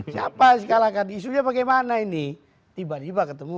siapa yang di kalahkan isunya bagaimana ini tiba tiba ketemu